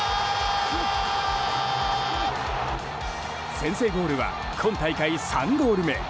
先制ゴールは今大会３ゴール目。